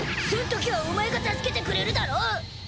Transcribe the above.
そんときはお前が助けてくれるだろ！